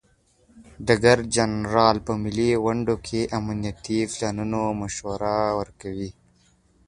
ډګر جنرال په ملي غونډو کې د امنیتي پلانونو مشوره ورکوي.